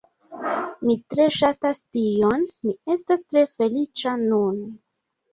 Mi tre ŝatas tion, mi estas tre feliĉa nun